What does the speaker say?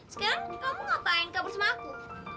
sekarang kamu ngapain kabur sama aku